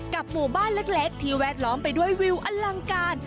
หมู่บ้านเล็กที่แวดล้อมไปด้วยวิวอลังการ